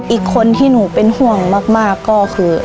อีกคนที่หนูเป็นห่วงมากก็คือ